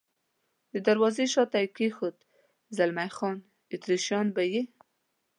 د دروازې شاته یې کېښود، زلمی خان: اتریشیان به یې.